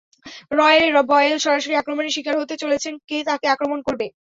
রয় Boyle সরাসরি আক্রমণের শিকার হতে চলেছেন কে তাকে আক্রমণ করবে?